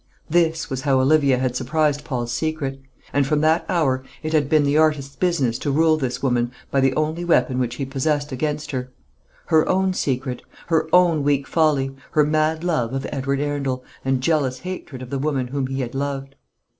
This was how Olivia had surprised Paul's secret; and from that hour it had been the artist's business to rule this woman by the only weapon which he possessed against her, her own secret, her own weak folly, her mad love of Edward Arundel and jealous hatred of the woman whom he had loved.